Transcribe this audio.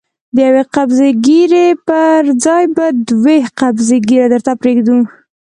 د يوې قبضې ږيرې پر ځای به دوې قبضې ږيره درته پرېږدو.